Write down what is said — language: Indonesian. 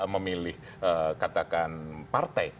memilih katakan partai